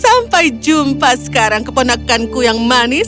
sampai jumpa sekarang keponakan ku yang manis